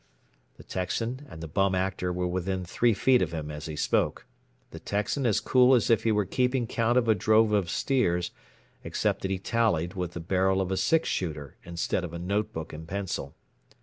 The Texan and the Bum Actor were within three feet of him as he spoke the Texan as cool as if he were keeping count of a drove of steers, except that he tallied with the barrel of a six shooter instead of a note book and pencil.